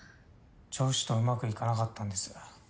上司とうまくいかなかったんです。